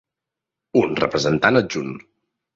Un representant adjunt